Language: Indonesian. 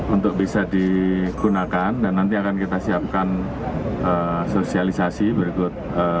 untuk bisa digunakan dan nanti akan kita siapkan sosialisasi berikut